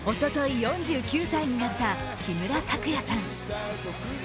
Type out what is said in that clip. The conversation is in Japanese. ４９歳になった木村拓哉さん。